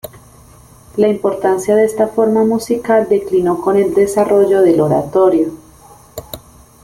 La importancia de esta forma musical declinó con el desarrollo del oratorio.